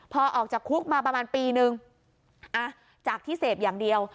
พอออกจากคุกมาประมาณปีนึงจากที่เสพอย่างเดียว